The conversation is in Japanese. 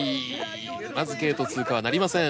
まずゲート通過はなりません。